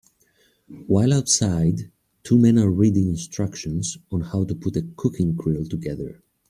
While outside, two men are reading instructions on how to put a cooking grill together.